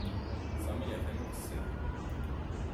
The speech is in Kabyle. Sami atan ukessar.